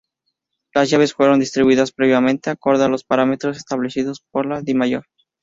Las llaves, fueron distribuidas previamente acorde a los parámetros establecidos por la Dimayor.